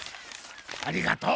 ありがとう。